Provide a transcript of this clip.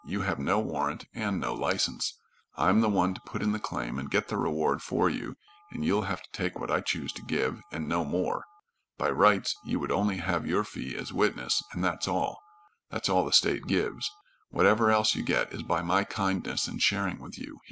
You have no warrant and no license. I'm the one to put in the claim and get the reward for you, and you'll have to take what I choose to give, and no more. By rights you would only have your fee as witness, and that's all. That's all the state gives. Whatever else you get is by my kindness in sharing with you.